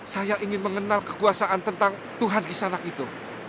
saya ingin mengenal kekuasaan tentang tuhan kisanak itu